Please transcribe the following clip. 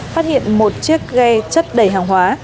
phát hiện một chiếc ghe chất đầy hàng hóa